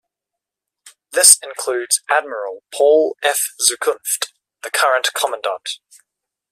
This includes Admiral Paul F. Zukunft, the current Commandant.